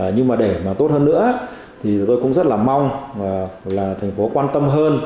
nhưng mà để mà tốt hơn nữa thì tôi cũng rất là mong là thành phố quan tâm hơn